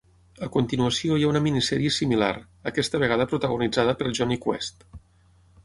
A continuació hi ha una minisèrie similar, aquesta vegada protagonitzada per Jonny Quest.